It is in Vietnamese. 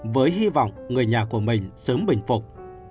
với hy vọng người nhà của mình sớm bình phục